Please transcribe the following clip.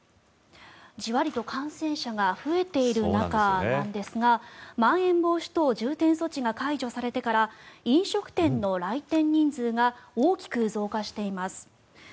じわりと感染者が増えている中なんですがまん延防止等重点措置が解除されてから飲食店の来店人数が大きく増加しています。